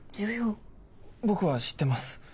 僕は知ってます。